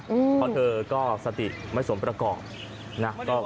เพราะเธอก็สติไม่สมประกอบนะ